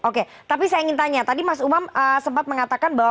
oke tapi saya ingin tanya tadi mas umam sempat mengatakan bahwa